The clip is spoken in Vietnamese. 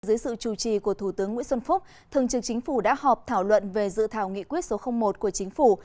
dưới sự chủ trì của thủ tướng nguyễn xuân phúc thường trưởng chính phủ đã họp thảo luận về dự thảo nghị quyết số một của chính phủ